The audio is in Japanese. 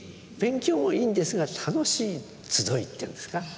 勉強もいいんですが楽しい集いっていうんですか。